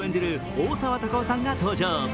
大沢たかおさんが登場。